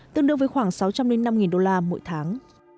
tương đương với khoảng sáu trăm linh năm đô la mỗi tháng